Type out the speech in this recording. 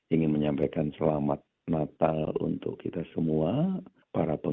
ingin menyampaikan selamat natal untuk kita semua